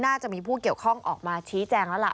น่าจะมีผู้เกี่ยวข้องออกมาชี้แจงแล้วล่ะ